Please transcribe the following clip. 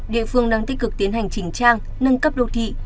địa phương đang tích cực tiến hành chỉnh trang nâng cấp đô thị